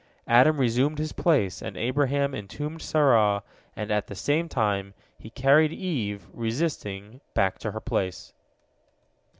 Adam resumed his place, and Abraham entombed Sarah, and at the same time he carried Eve, resisting, back to her place.